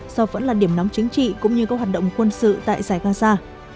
do vẫn là điểm nóng chính trị cũng như các hoạt động quân sự tại giải gaza